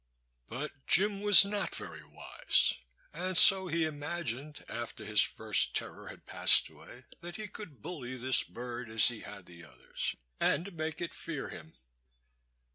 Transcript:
But Jim was not very wise; and so he imagined, after his first terror had passed away, that he could bully this bird as he had the others, and make it fear him.